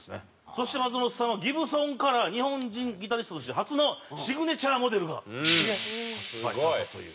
そして松本さんはＧｉｂｓｏｎカラー日本人ギタリストとして初のシグネチャーモデルが発売されたという。